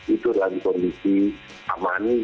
itu adalah kondisi aman